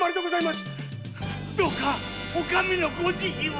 どうかお上のご慈悲を！